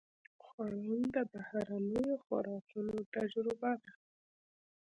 خوړل د بهرنیو خوراکونو تجربه ده